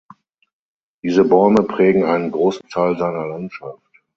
Diese Bäume prägen einen großen Teil seiner Landschaft.